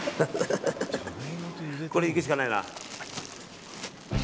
これでいくしかないな。